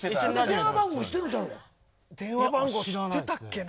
電話番号知ってたっけな。